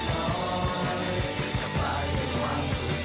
ก็ปล่อยกับความสุขใจ